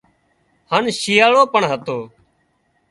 هانَ شيئاۯو پڻ هتو